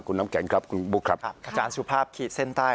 คุณน้ำแข็งครับคุณบุ๊คครับอาจารย์สุภาพขีดเส้นใต้